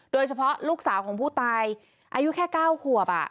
โดยเฉพาะลูกสาวของผู้ตายอายุแค่๙ขวบ